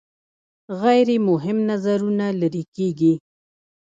غیر مهم نظرونه لرې کیږي.